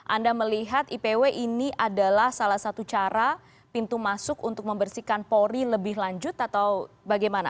anda melihat ipw ini adalah salah satu cara pintu masuk untuk membersihkan polri lebih lanjut atau bagaimana